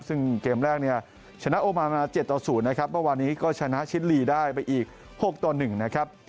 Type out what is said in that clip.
ซึ่งเกมแรกเนี่ยชนะโอมานมา๗ต่อ๐นะครับเมื่อวานนี้ก็ชนะชิดลีได้ไปอีก๖ต่อ๑นะครับ